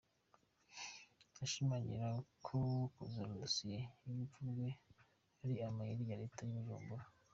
Ashimangira ko kuzura dosiye y’urupfu rwe ari amayeri ya Leta y’i Bujumbura.